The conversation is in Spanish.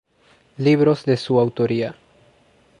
Libros de su autoría